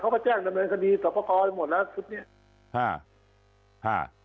เขาไปแจ้งดำเบินคดีตรับประกอบได้หมดละ